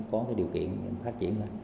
có cái điều kiện phát triển